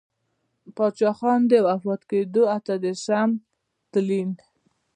پــاچــاخــان د وفــات کـېـدو اته درېرشم تـلـيـن.